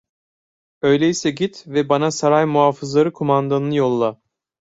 Öyleyse git ve bana saray muhafızları kumandanını yolla…